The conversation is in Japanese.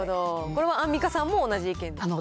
これはアンミカさんも同じ意見ですね。